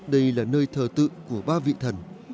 đây là nơi thờ tự của ba vị thần